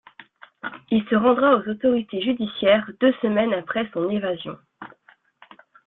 Il se rendra aux autorités judiciaires deux semaines après son évasion.